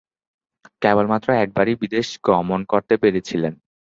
কেবলমাত্র একবারই বিদেশ গমন করতে পেরেছিলেন।